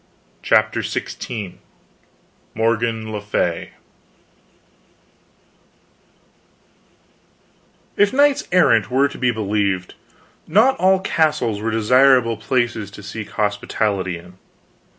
CHAPTER XVI MORGAN LE FAY If knights errant were to be believed, not all castles were desirable places to seek hospitality in.